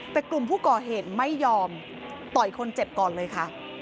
แต่กลุ่มผู้ก่อเหตุไม่ยอมต่อยคนเจ็บก่อนเลยค่ะ